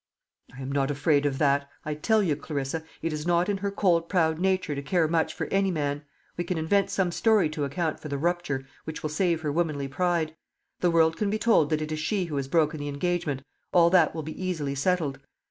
"I am not afraid of that. I tell you, Clarissa, it is not in her cold proud nature to care much for any man. We can invent some story to account for the rupture, which will save her womanly pride. The world can be told that it is she who has broken the engagement: all that will be easily settled.